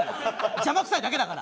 邪魔くさいだけだから。